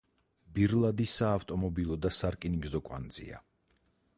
ბირლადი საავტომობილო და სარკინიგზო კვანძია.